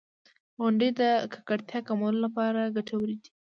• غونډۍ د ککړتیا کمولو لپاره ګټورې دي.